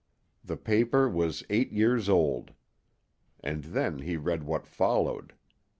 The paper was eight years old. And then he read what followed.